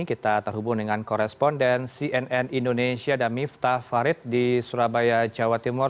kita terhubung dengan koresponden cnn indonesia damifta farid di surabaya jawa timur